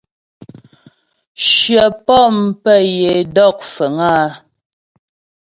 Shyə pɔ̂m pə́ yə é dɔk fəŋ áa.